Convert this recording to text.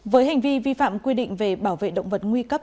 với hành vi vi phạm quy định về bảo vệ động vật nguy cấp